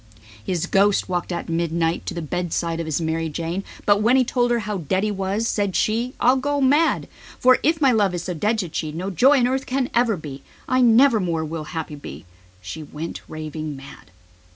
His ghost walked at midnight to the bedside of his Mar i Jane He told her how dead he was; said she: "I'll go mad." "Since my love he is so dead," said she, "All joy on earth has fled for me." "I never more will happy be.", and she went raving mad.